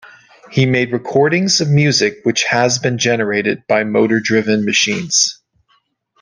He made recordings of music which has been generated by motor-driven machines.